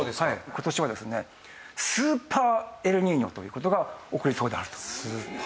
今年はですねスーパーエルニーニョという事が起こりそうであると。